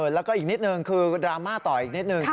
แล้วก็อีกนิดนึงคือดราม่าต่ออีกนิดนึง